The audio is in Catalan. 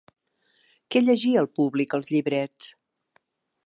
Què llegia el públic als llibrets?